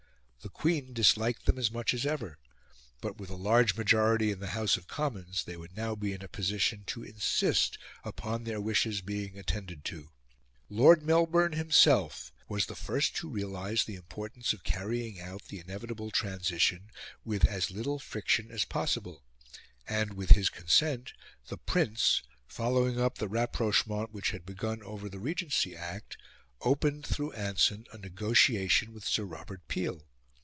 The Queen disliked them as much as ever; but, with a large majority in the House of Commons, they would now be in a position to insist upon their wishes being attended to. Lord Melbourne himself was the first to realise the importance of carrying out the inevitable transition with as little friction as possible; and with his consent, the Prince, following up the rapprochement which had begun over the Regency Act, opened, through Anson, a negotiation with Sir Robert Peel.